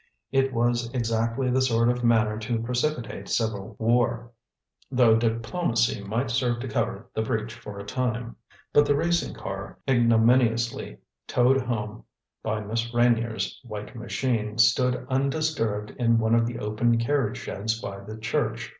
It was exactly the sort of manner to precipitate civil war, though diplomacy might serve to cover the breach for a time. But the racing car, ignominiously towed home by Miss Reynier's white machine, stood undisturbed in one of the open carriage sheds by the church.